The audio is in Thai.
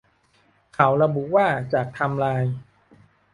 ข่าวระบุว่าจากไทม์ไลน์